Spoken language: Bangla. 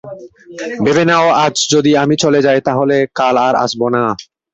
ভেবে নাও, আজ যদি আমি চলে যাই তাহলে কাল আর আসব না।